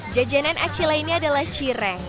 jajanan aci lainnya adalah cireng